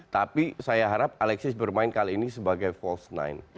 tapi saya harap alexis bermain kali ini sebagai false nine